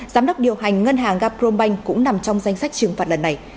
giám đốc điều hành ngân hàng gaprom bank cũng nằm trong danh sách trừng phạt lần này